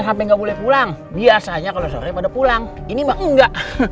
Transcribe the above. sampai jumpa di video selanjutnya